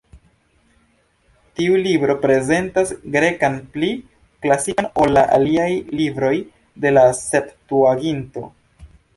Tiu libro prezentas grekan pli klasikan ol la aliaj libroj de la Septuaginto.